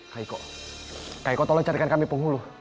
kaiko kaiko tolong carikan kami penghulu